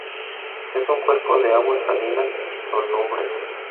Es un cuerpo de aguas salinas y salobres.